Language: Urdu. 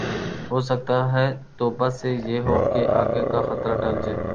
ہوسکتا ہے توبہ سے یہ ہو کہ آگے کا خطرہ ٹل جاۓ